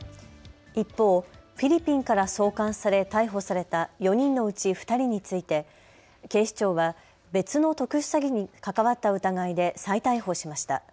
一方、フィリピンから送還され逮捕された４人のうち２人について警視庁は別の特殊詐欺に関わった疑いで再逮捕しました。